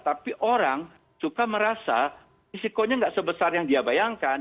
tapi orang suka merasa risikonya nggak sebesar yang dia bayangkan